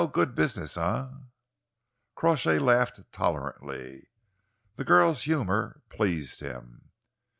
Good business, eh?'" Crawshay laughed tolerantly. The girl's humour pleased him.